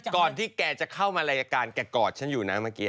แกจะเข้ามารายการแกกอดฉันอยู่นะเมื่อกี้